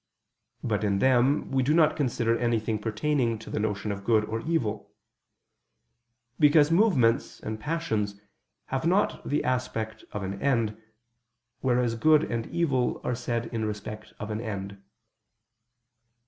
But in them, we do not consider anything pertaining to the notion of good or evil: because movements and passions have not the aspect of an end, whereas good and evil are said in respect of an end.